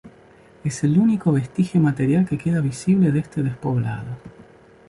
Es el único vestigio material que queda visible de este despoblado.